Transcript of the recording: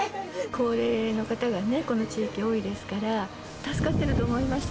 高齢の方がね、この地域、多いですから、助かってると思います。